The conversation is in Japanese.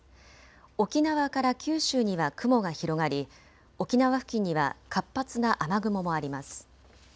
沖縄から九州には雲が広がり沖縄付近には活発な雨雲もあります。